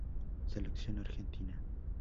Selección Argentina